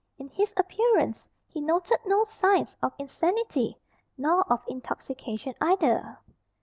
In his appearance he noted no signs of insanity, nor of intoxication either.